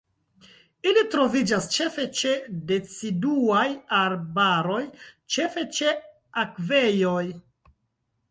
Ili troviĝas ĉefe ĉe deciduaj arbaroj, ĉefe ĉe akvejoj.